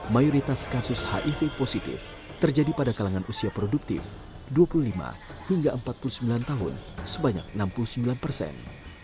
mayoritas kasus hiv positif terjadi pada kalangan usia produktif dua puluh lima hingga empat puluh sembilan tahun sebanyak enam puluh sembilan persen